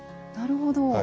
なるほど。